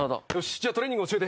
じゃあトレーニング教えて。